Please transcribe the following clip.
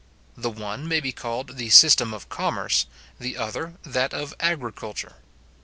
The one may be called the system of commerce, the other that of agriculture.